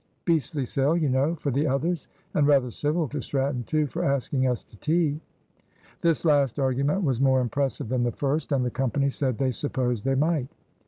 beastly sell, you know, for the others; and rather civil to Stratton too, for asking us to tea." This last argument was more impressive than the first; and the company said they supposed they might.